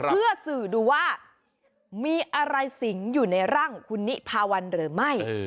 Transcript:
เพื่อสื่อดูว่ามีอะไรสิงอยู่ในร่างคุณนิพาวันหรือไม่